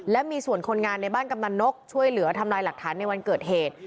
และมีส่วนคนงานในบ้านกำนันนกช่วยเหลือทำลายหลักฐานในวันเกิดเหตุ